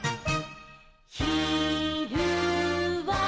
「ひるは」